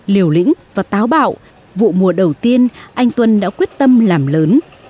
liều lĩnh và táo bạo vụ mùa đầu tiên anh tuân đã quyết tâm làm lớn